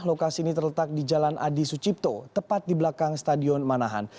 lokasi ini terletak di jalan adi sucipto tepat di belakang stadion manahan